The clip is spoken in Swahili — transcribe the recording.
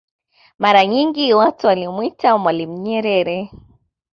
Mara nyingi watu walimwita mwalimu Nyerere